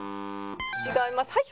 違います。